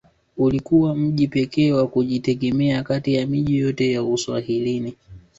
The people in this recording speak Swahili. Ulikuwa mji pekee wa kujitegemea kati ya miji yote ya Uswahilini